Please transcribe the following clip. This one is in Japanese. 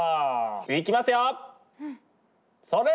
いきますよっ！